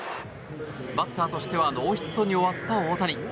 バッターとしてはノーヒットに終わった大谷。